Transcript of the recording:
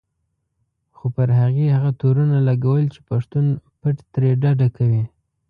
خو پر هغې هغه تورونه لګول چې پښتون پت ترې ډډه کوي.